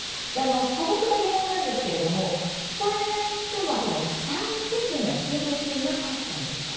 素朴な疑問なんですけれども聞こえない人はパラリンピックには出場していなかったんですか。